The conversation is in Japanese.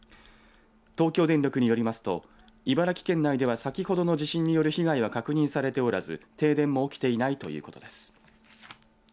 東京電力によりますと茨城県内では先ほどの地震による被害は確認されておらず停電も起きていないということです。